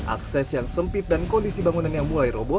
akses yang sempit dan kondisi bangunan yang mulai roboh